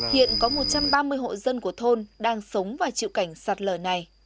hiện có một trăm ba mươi hộ dân của thôn đang sống và chịu cảnh sạt lở này